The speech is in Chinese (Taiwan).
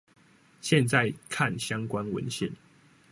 現在看相關文獻